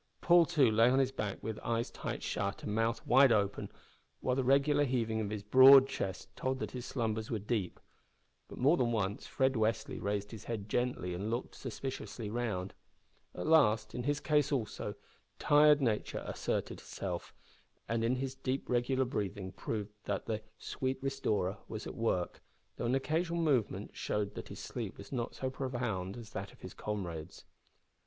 Paul, too, lay on his back with eyes tight shut and mouth wide open, while the regular heaving of his broad chest told that his slumbers were deep. But more than once Fred Westly raised his head gently and looked suspiciously round. At last, in his case also, tired Nature asserted herself, and his deep regular breathing proved that the "sweet restorer" was at work, though an occasional movement showed that his sleep was not so profound as that of his comrades.